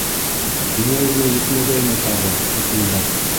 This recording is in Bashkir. Һиңә генә етмәгәйне тағы, тәтелдәк.